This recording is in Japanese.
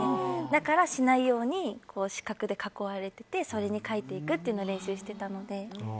だから、しないように四角で囲われててそれに書いていくというのを練習してたので。